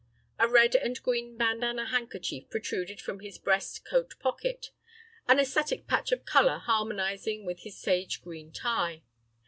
A red and green bandanna handkerchief protruded from his breast coat pocket, an æsthetic patch of color harmonizing with his sage green tie.